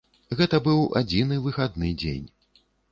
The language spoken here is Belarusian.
Гэта быў адзіны выхадны дзень.